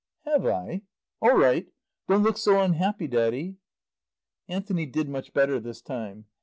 "Have I? All right. Don't look so unhappy, Daddy." Anthony did much better this time.